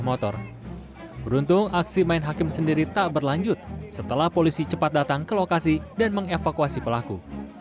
beruntung aksi main hakim sendiri tak berlanjut setelah polisi cepat datang ke lokasi dan mengevakuasi pelaku